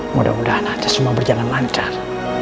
mudah mudahan aja semua berjalan lancar